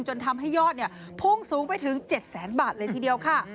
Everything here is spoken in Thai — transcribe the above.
จนทำให้ยอดพุ่งสูงไปถึง๗แสนบาทเลยทีเดียวค่ะ